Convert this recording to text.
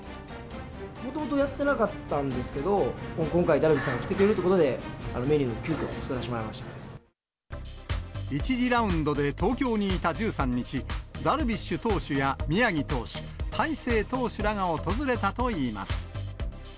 もともとやってなかったんですけど、今回、ダルビッシュさんが来てくれるということで、メニュー、急きょ作らせてもらい１次ラウンドで東京にいた１３日、ダルビッシュ投手や宮城投手、大勢投手らが訪れたといいます。